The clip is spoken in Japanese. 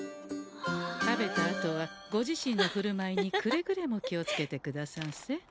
食べたあとはご自身のふるまいにくれぐれも気を付けてくださんせ。